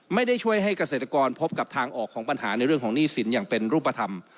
ไม่ได้ช่วยให้เกษตรกรพบกับทางออกของปัญหาในเรื่องของหนี้สินอย่างเป็นรูปธรรม